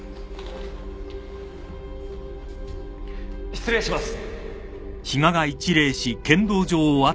失礼します。